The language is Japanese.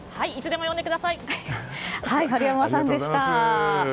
春山さんでした。